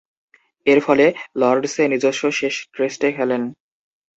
এরফলে লর্ডসে নিজস্ব শেষ টেস্টে খেলেন।